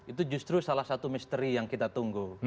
itu justru salah satu misteri yang kita tunggu